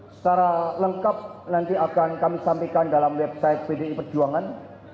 secara lengkap nanti akan kami sampaikan dalam website pdi perjuangan